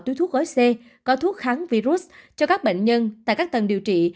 túi thuốc gói c có thuốc kháng virus cho các bệnh nhân tại các tầng điều trị